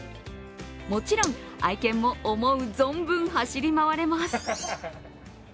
もちろん愛犬も思う存分、走り回れます。